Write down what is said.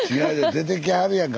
出てきはるやんか。